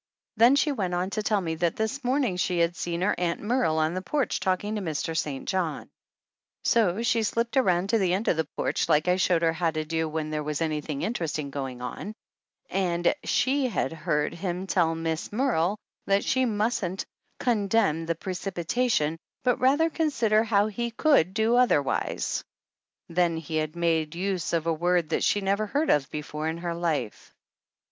Then she went on to tell me that this morning she had seen her Aunt Merle on the porch talking to Mr. St. John ; so she slipped around to the end of the porch like I shewed her how to do when there was anything interesting going on ; and she had heard him tell Miss Merle that she mustn't "con demn the precipitation, but rather consider how he could do otherwise." Then he had made use of a word that she never heard of before in her life.